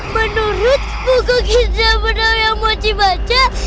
menurut buku gizah benar yang mochi baca